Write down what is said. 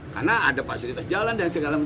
karena ada fasilitas jalan dan segala macam